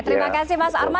terima kasih mas arman